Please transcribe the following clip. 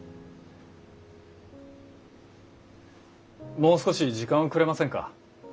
もう少し時間をくれませんか？